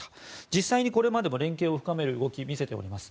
実際にこれまでも連携を深める動きを見せています。